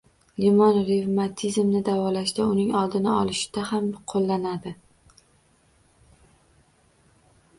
Limon revmatizmni davolashda, uning oldini olishda ham qo‘llanadi.